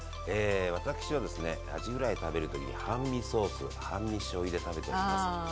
私はですねアジフライ食べる時に半身ソース半身しょうゆで食べております。